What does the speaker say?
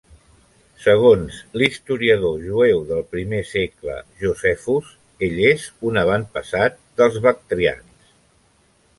Segons l"historiador jueu del primer segle Josephus, ell és un avantpassat dels Bactrians.